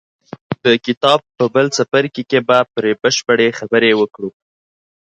د کتاب په بل څپرکي کې به پرې بشپړې خبرې وکړو.